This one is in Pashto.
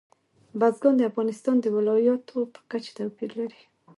بزګان د افغانستان د ولایاتو په کچه توپیر لري.